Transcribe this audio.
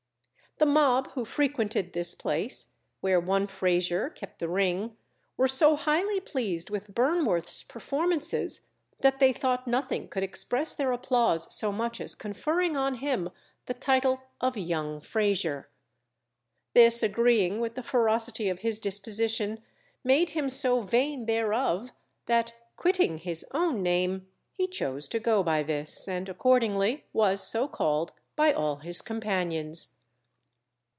The mob who frequented this place, where one Frazier kept the ring, were so highly pleased with Burnworth's performances that they thought nothing could express their applause so much as conferring on him the title of Young Frazier. This agreeing with the ferocity of his disposition, made him so vain thereof, that, quitting his own name, he chose to go by this, and accordingly was so called by all his companions.